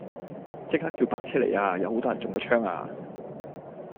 即刻叫白車嚟吖，有好多人中咗槍啊